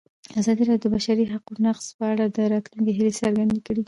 ازادي راډیو د د بشري حقونو نقض په اړه د راتلونکي هیلې څرګندې کړې.